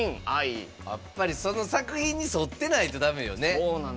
やっぱり、その作品に沿ってないとだめよね。